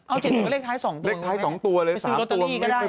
เอา๗๑ก็เลขท้าย๒ตัวเลขท้าย๒ตัวเลขท้าย๓ตัว